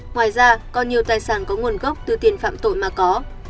ngoài ra còn nhiều tài sản có nguồn gốc từ tiền phạm tội mà có